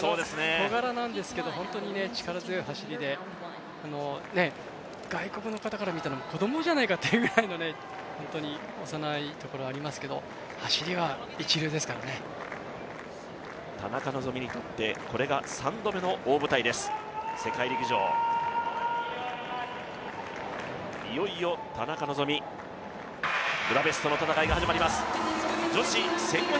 小柄なんですけど本当に力強い走りで、外国の方から見たら子供じゃないかというぐらいの本当に幼いところがありますけど田中希実にとって、これが３度目の大舞台です、世界陸上、いよいよ田中希実、ブダペストの戦いが始まります。